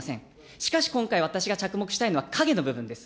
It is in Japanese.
しかし、今回私が着目したいのは、影の部分です。